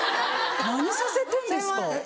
何させてんですか。